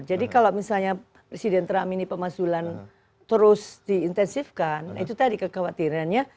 jadi kalau misalnya presiden trump ini pemasulan terus diintensifkan itu tadi kekhawatirannya